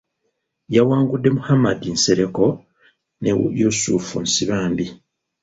Yawangudde Muhammad Nsereko ne Yusufu Nsibambi.